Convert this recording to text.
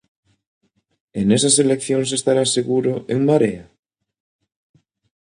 E nesas eleccións estará seguro En Marea?